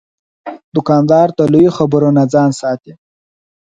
دوکاندار د لویو خبرو نه ځان ساتي.